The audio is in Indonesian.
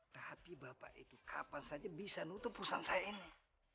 tapi bapak itu kapan saja bisa nutup perusahaan saya ini